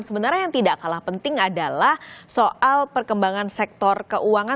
sebenarnya yang tidak kalah penting adalah soal perkembangan sektor keuangan